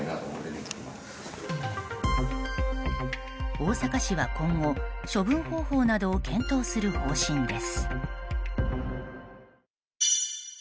大阪市は今後、処分方法などを検討する方針です。